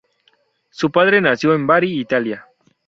Su padre nació en Bari, Italia.